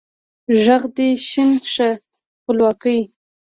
ږغ د ې شین شه خپلواکۍ